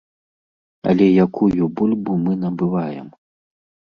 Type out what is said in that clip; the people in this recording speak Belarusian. Але якую бульбу мы набываем?